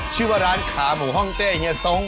ชื่อว่าร้านขาหมูห้องเต้เฮียทรง